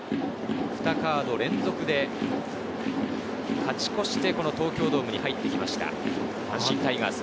２カード連続で勝ち越して、東京ドームに入ってきました、阪神タイガース。